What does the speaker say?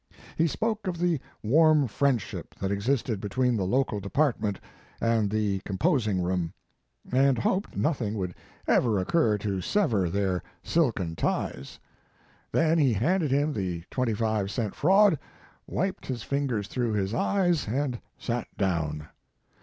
He spoke of the warm friendship that existed between the local department and the composing room, and hoped nothing would ever His Life and Work. occur to sever these silken ties. Then he handed him the twenty five cent frand, wiped his fingers through his eyes and sat down.